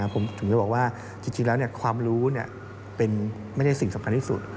ผมถึงจะบอกว่าจริงแล้วความรู้ไม่ได้สิ่งสำคัญที่สุด